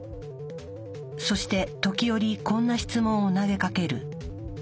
そして時折こんな質問を投げかける。